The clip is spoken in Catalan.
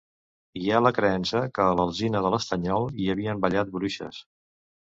Hi ha la creença que a l'Alzina de l'Estanyol hi havien ballat bruixes.